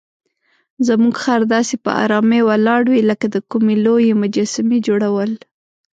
زموږ خر داسې په آرامۍ ولاړ وي لکه د کومې لویې مجسمې جوړول.